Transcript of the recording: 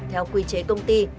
theo quy chế công ty